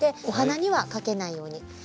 お花にはかけないように。